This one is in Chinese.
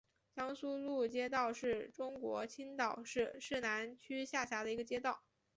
江苏路街道是中国青岛市市南区下辖的一个街道。